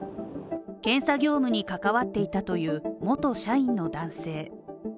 検査業務に関わっていたという元社員の男性。